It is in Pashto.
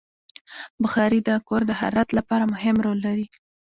بخاري د کور د حرارت لپاره مهم رول لري.